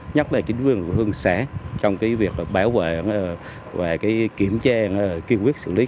nhất là chính quyền địa phương xã trong việc bảo vệ kiểm tra kiên quyết xử lý